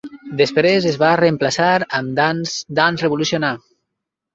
Després es va reemplaçar amb Dance Dance Revolution A.